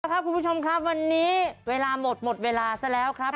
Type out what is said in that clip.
ครับคุณผู้ชมครับวันนี้เวลาหมดหมดเวลาซะแล้วครับ